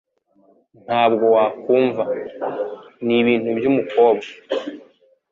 Ntabwo wakumva. Nibintu byumukobwa.